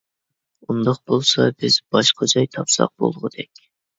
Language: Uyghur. ئۇنداق بولسا بىز باشقا جاي تاپساق بولغۇدەك.